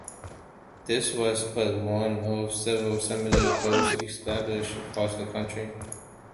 This was but one of several similar posts established across the country.